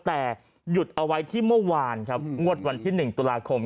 แต่หยุดเอาไว้ที่เมื่อวานครับงวดวันที่๑ตุลาคม